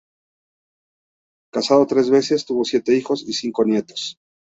Casado tres veces, tuvo siete hijos y cinco nietos.